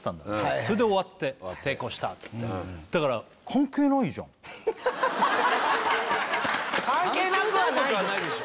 それで終わって成功したっつってだから関係なくはないでしょ